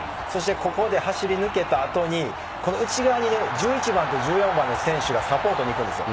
ここで走り抜けた後に、内側にね、１１番と１４番の選手がサポートに行くんですよ。